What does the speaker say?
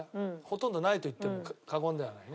ほとんどないと言っても過言ではない。